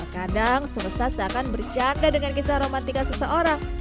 terkadang semesta seakan berjaga dengan kisah romantika seseorang